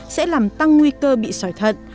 sẽ làm tăng nguy cơ bị sỏi thận